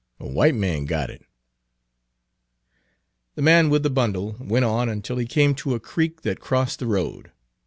A w'ite man got it." The man with the bundle went on until he Page 317 came to a creek that crossed the road.